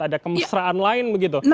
ada kemesraan lain begitu